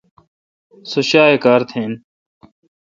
سو شیاے کار تھین۔